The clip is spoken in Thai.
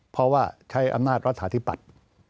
เพราะว่าใช้อำนาจรัฐาธิปัตย์